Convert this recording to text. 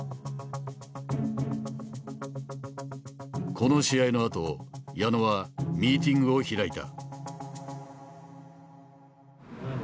この試合のあと矢野はミーティングを開いた。